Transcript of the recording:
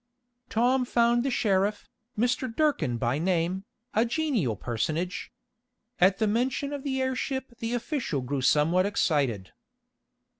Tom found the sheriff, Mr. Durkin by name, a genial personage. At the mention of the airship the official grew somewhat excited.